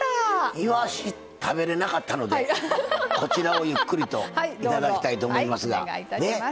いわし食べれなかったのでこちらをゆっくりといただきたいと思いますが。